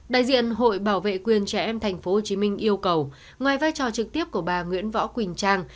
đại diện hội bảo vệ quyền trẻ em tp hcm yêu cầu ngoài vai trò trực tiếp của bà nguyễn võ quỳnh trang